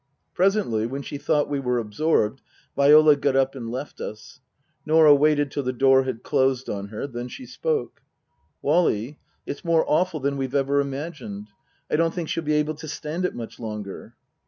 Presently, when she thought we were absorbed, Viola got up and left us. Norah waited till the door had closed on her. Then she spoke. " Wally it's more awful than we've ever imagined. I don't think she'll be able to stand it much longer."